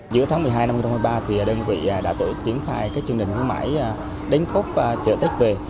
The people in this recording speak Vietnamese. giữa tháng một mươi hai một mươi ba đơn vị đã triển khai các chương trình khuyến mại đến khúc chợ tết về